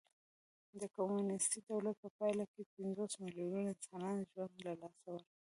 د کمونېستي دولت په پایله کې پنځوس میلیونو انسانانو ژوند له لاسه ورکړ